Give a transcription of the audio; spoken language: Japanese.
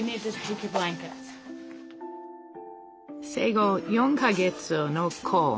生後４か月のコウ。